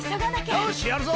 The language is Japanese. よしやるぞ！